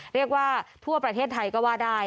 เรียกว่าทั่วประเทศไทยก็ว่าได้